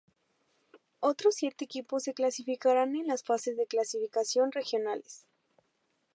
Otros siete equipos se clasificarán en las fases de clasificación regionales.